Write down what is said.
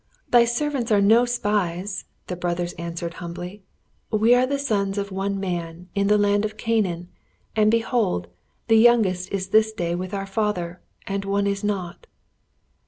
"Thy servants are no spies," the brothers answered humbly. "We are the sons of one man, in the land of Canaan, and, behold, the youngest is this day with our father, and one is not."